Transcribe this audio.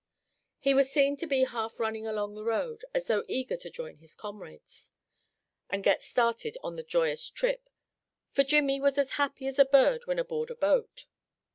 He was seen to be half running along the road, as though eager to join his comrades, and get started on the joyous trip; for Jimmy was as happy as a bird when aboard a boat.